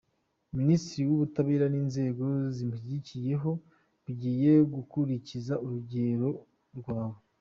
Minisiteri y’Ubutabera n’inzego ziyishamikiyeho bigiye gukurikiza urugero rwawe.